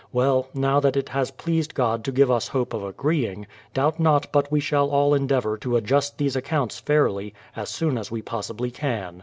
Well, now that it has pleased God to give us hope of agreeing, doubt not but we shall all endeavour to adjust these accounts fairly, as soon as we possibly can.